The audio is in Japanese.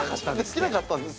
できなかったんです。